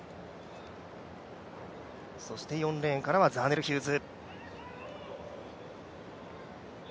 そして４レーンからはザーネル・ヒューズ。